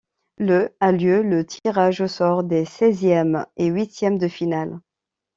Le a lieu le tirage au sort des seizièmes et huitièmes de finale.